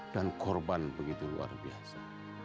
dan korban begitu luar biasa